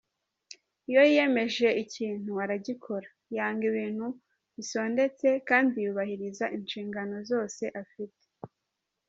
Iyo yiyemeje ikintu aragikora, yanga ibintu bisondetse kandi yubahiriza inshingano zose afite.